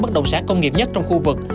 bất động sản công nghiệp nhất trong khu vực